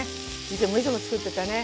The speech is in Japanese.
いつもいつも作ってたね。